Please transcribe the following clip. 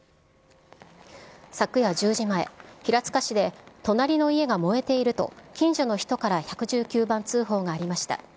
昨夜１０時前、平塚市で隣の家が燃えていると近所の人から１１９番通報がありました。